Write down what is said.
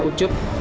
kan sampai besok